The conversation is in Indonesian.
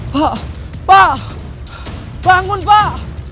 pak pak bangun pak